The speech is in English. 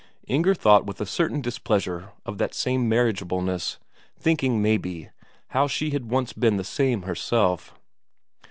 Inger thought with a certain displeasure of that same marriageableness, thinking, maybe, how she had once been the same herself.